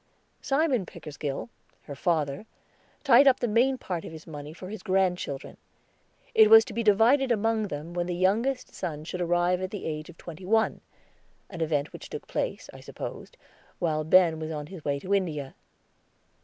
Simon Pickersgill, her father, tied up the main part of his money for his grandchildren. It was to be divided among them when the youngest son should arrive at the age of twenty one an event which took place, I supposed, while Ben was on his way to India.